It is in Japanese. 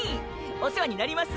お世話になります！！